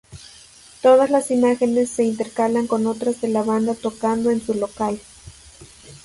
Todas las imágenes se intercalan con otras de la banda tocando en un local.